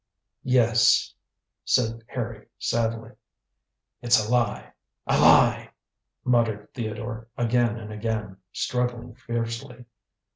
"Yes," said Harry sadly. "It's a lie; a lie!" muttered Theodore again and again, struggling fiercely.